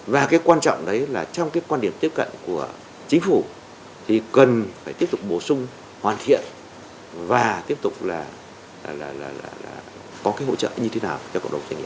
và cái quan trọng đấy là trong cái quan điểm tiếp cận của chính phủ thì cần phải tiếp tục bổ sung hoàn thiện và tiếp tục là có cái hỗ trợ như thế nào